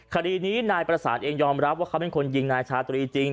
คดีนี้นายประสานเองยอมรับว่าเขาเป็นคนยิงนายชาตรีจริง